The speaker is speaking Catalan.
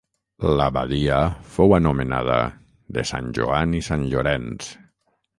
L'abadia fou anomenada de Sant Joan i Sant Llorenç.